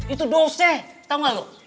itu dosa tau gak lo